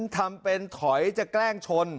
ทำเป็นถอยจะแกล้งชน